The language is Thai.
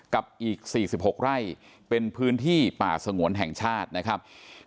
กับอีก๔๖ไร่เป็นพื้นที่ป่าสงวนแห่งชาตินะครับ